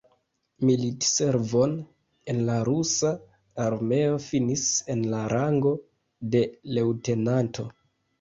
Militservon en la rusa armeo finis en la rango de leŭtenanto.